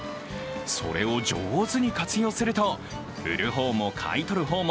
それを上手に活用すると売る方も買い取る方も